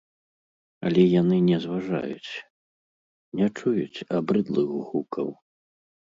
Але яны не зважаюць, не чуюць абрыдлых гукаў.